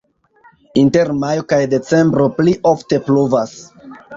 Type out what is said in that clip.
Inter majo kaj decembro pli ofte pluvas.